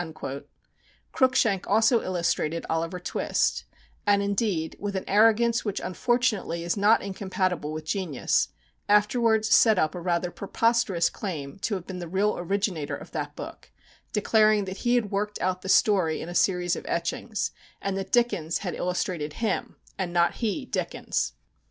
Cruikshank also illustrated "Oliver Twist;" and indeed, with an arrogance which unfortunately is not incompatible with genius, afterwards set up a rather preposterous claim to have been the real originator of that book, declaring that he had worked out the story in a series of etchings, and that Dickens had illustrated him, and not he Dickens.